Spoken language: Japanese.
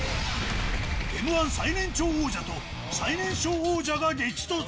Ｍー１歳年長王者と、最年少王者が激突。